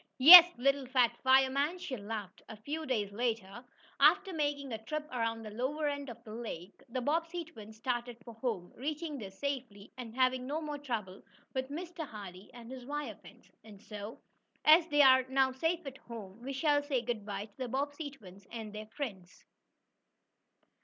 "Yes, little fat fireman," she laughed. A few days later, after making a trip around the lower end of the lake, the Bobbsey twins started for home, reaching there safely, and having no more trouble with Mr. Hardee and his wire fence. And so, as they are now safe at home, we shall say good bye to the Bobbsey twins and their friends.